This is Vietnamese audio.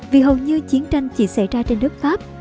vì hầu như chiến tranh chỉ xảy ra trên đất pháp